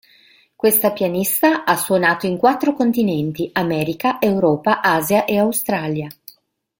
Questa pianista ha suonato in quattro continenti: America, Europa, Asia e Australia.